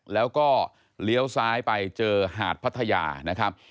แล้วก็เลี้ยวซ้ายไปเจอหาดพัทยานะครับ